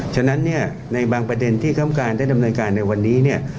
ฉะนั้นในบางประเด็นที่เข้ามการได้ดำเนินการในวันนี้